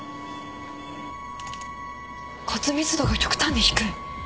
骨密度が極端に低い。